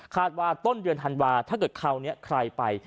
ว่าต้นเดือนธันวาถ้าเกิดคราวนี้ใครไป